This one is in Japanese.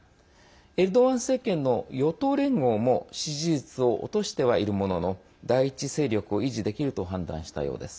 エルドアン政権の与党連合も支持率を落としてはいるものの第一勢力を維持できると判断したようです。